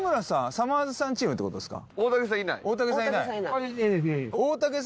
さまぁずさんチームってことですか？